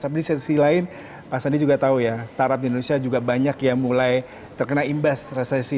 tapi di sisi lain pak sandi juga tahu ya startup di indonesia juga banyak yang mulai terkena imbas resesi